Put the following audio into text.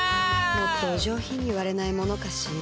もっとお上品に割れないものかしら